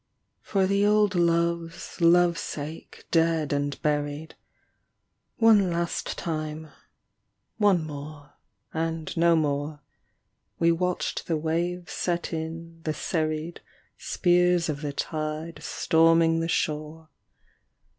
For the old love's love sake dead and buried, One last time, one more and no more, We watched the waves set in, the serried Spears of the tide storming the shore.